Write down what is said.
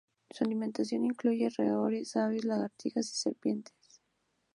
Su alimentación incluye roedores, aves, lagartijas y serpientes.